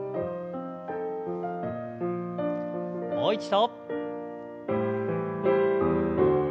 もう一度。